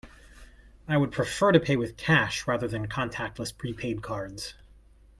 I would prefer to pay with cash rather than contactless prepaid cards.